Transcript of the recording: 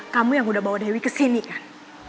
kamu yang udah bawa dewi kesini kan